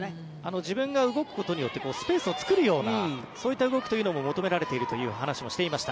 自分が動くことによってスペースを作るようなそういった動きも求められているという話もしていました。